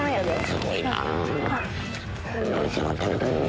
すごいなぁ。